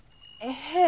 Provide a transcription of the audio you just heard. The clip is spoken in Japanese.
へえ。